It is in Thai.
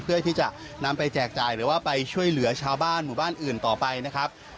เพื่อที่จะนำไปแจกจ่ายหรือว่าไปช่วยเหลือชาวบ้านหมู่บ้านอื่นต่อไปนะครับ